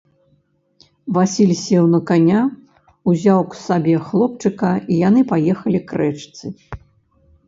Васіль сеў на каня, узяў к сабе хлопчыка, і яны паехалі к рэчцы.